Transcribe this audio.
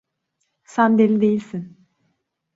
Sen deli değilsin.